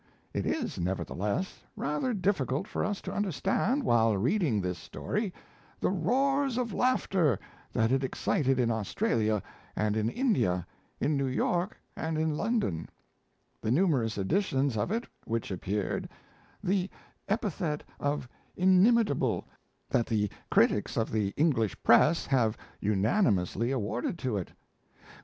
It is, nevertheless, rather difficult for us to understand, while reading this story, the 'roars of laughter' that it excited in Australia and in India, in New York and in London; the numerous editions of it which appeared; the epithet of 'inimitable' that the critics of the English press have unanimously awarded to it.